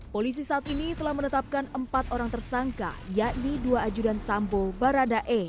polisi saat ini telah menetapkan empat orang tersangka yakni dua ajudan sambo baradae